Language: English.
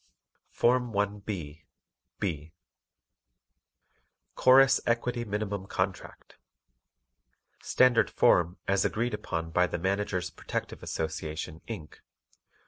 FORM 1B B CHORUS EQUITY MINIMUM CONTRACT Standard Form as agreed upon by the _Managers Protective Association, Inc.